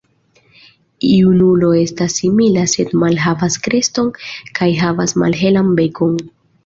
Junulo estas simila, sed malhavas kreston kaj havas malhelan bekon.